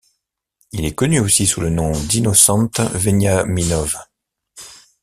Il est connu aussi sous le nom d’Innocent Veniaminov.